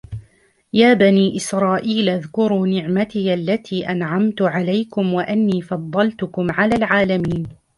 يَا بَنِي إِسْرَائِيلَ اذْكُرُوا نِعْمَتِيَ الَّتِي أَنْعَمْتُ عَلَيْكُمْ وَأَنِّي فَضَّلْتُكُمْ عَلَى الْعَالَمِينَ